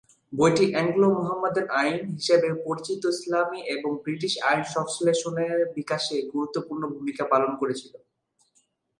বইটি "অ্যাংলো-মুহাম্মাদান আইন" হিসাবে পরিচিত ইসলামী এবং ব্রিটিশ আইন সংশ্লেষের বিকাশে গুরুত্বপূর্ণ ভূমিকা পালন করেছিল।